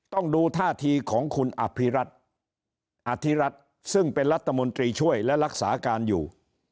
ต้องดูท่าทีของคุณอภิรัตนอธิรัฐซึ่งเป็นรัฐมนตรีช่วยและรักษาการอยู่